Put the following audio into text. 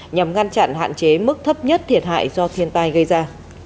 nhằm ngăn chặn hạn chế mức thấp nhất thiệt hại do thiên tai gây ra